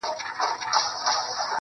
مرغۍ الوتې وه، خالي قفس ته ودرېدم ,